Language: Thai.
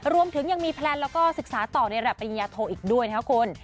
รวมถึงยังมีแพลนแล้วก็ศึกษาต่อในระดับปริญญาโทอีกด้วยนะครับคุณ